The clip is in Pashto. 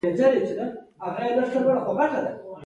دواړه د کارنګي په ګرمه خونه کې کېناستل